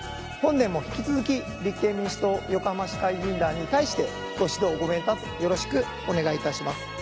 本年も引き続き立憲民主党横浜市会議員団に対してご指導ご鞭撻よろしくお願いいたします。